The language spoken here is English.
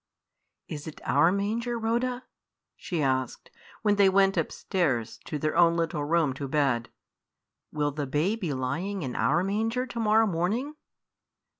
"Is it our manger, Rhoda?" she asked, when they went upstairs to their own little room to bed. "Will the babe be lying in our manger to morrow morning?"